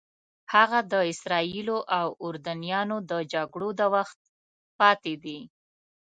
هغه د اسرائیلو او اردنیانو د جګړو د وخت پاتې دي.